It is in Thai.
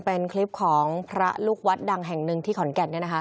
เป็นคลิปของพระลูกวัดดังแห่งหนึ่งที่ขอนแก่น